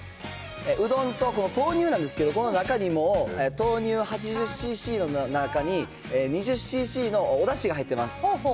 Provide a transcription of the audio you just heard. うどんと豆乳なんですけど、この中にもう、豆乳８０ｃｃの中に２０ｃｃのおだしが入ってます。